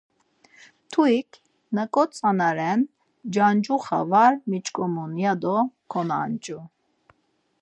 Mtugik, ‘Naǩo tzana ren cancuxa var miç̌ǩomun, ya do konanç̌u.